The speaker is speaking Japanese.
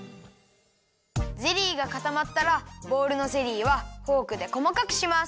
ゼリーがかたまったらボウルのゼリーはフォークでこまかくします。